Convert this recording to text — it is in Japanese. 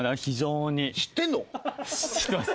知ってます。